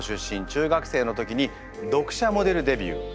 中学生の時に読者モデルデビュー。